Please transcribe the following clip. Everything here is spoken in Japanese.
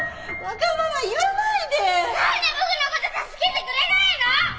何で僕のこと助けてくれないの！